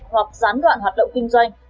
hoặc gián đoạn hoạt động kinh doanh